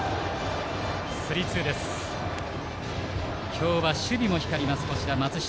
今日は守備も光ります松下。